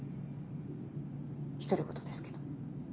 独り言ですけど。